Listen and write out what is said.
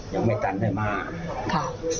ยังไม่กันได้มาก